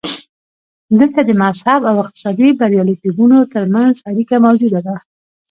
دلته د مذهب او اقتصادي بریالیتوبونو ترمنځ اړیکه موجوده ده.